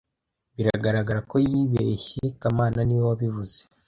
Biragaragara ko yibeshye kamana niwe wabivuze